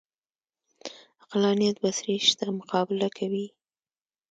عقلانیت بڅري شته مقابله کوي